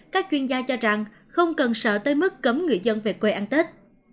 các chuyên gia cho rằng không cần sợ tới mức cấm người dân về quê ăn tết